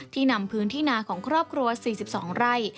นำพื้นที่นาของครอบครัว๔๒ไร่